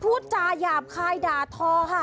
พูดจาหยาบคายด่าทอค่ะ